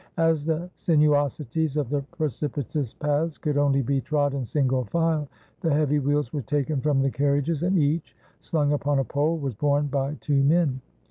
As the sinuosities of the precipitous paths could only be trod in single file, the heavy wheels were taken from the carriages, and each, slung upon a pole, was borne by two men.